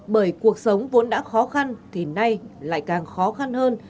bởi cuộc sống vốn đã khó khăn thì nay lại càng khó khăn hơn